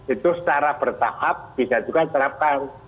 itu secara bertahap bisa juga diterapkan